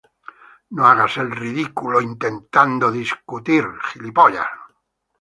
No hagas el ridículo intentando discutir